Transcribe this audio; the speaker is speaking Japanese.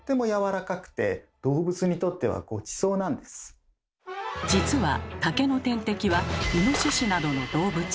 皮をむいた実は竹の天敵はイノシシなどの動物。